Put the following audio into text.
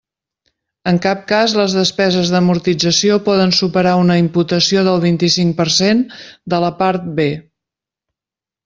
En cap cas les despeses d'amortització poden superar una imputació del vint-i-cinc per cent de la Part B.